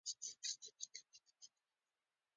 دا پيسې له کومه شوې؟